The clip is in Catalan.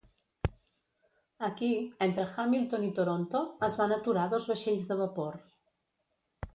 Aquí, entre Hamilton i Toronto, es van aturar dos vaixells de vapor.